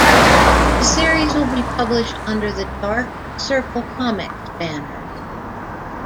The series will be published under the Dark Circle Comics banner.